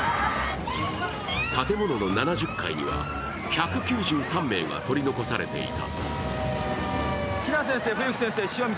建物の７０階には１９３名が取り残されていた。